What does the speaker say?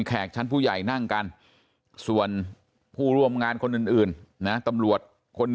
แขกชั้นผู้ใหญ่นั่งกันส่วนผู้ร่วมงานคนอื่นนะตำรวจคน